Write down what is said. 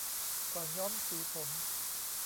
ก่อนย้อมสีผม